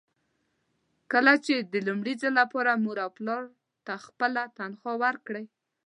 کله چې د لومړي ځل لپاره مور او پلار ته خپله تنخوا ورکړئ.